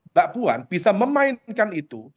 mbak puan bisa memainkan itu